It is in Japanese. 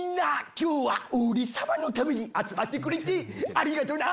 今日は俺さまのために集まってくれてありがとな！